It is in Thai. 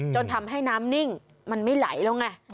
จนทำให้น้ำนิ่งมันไม่ไหลแล้วไง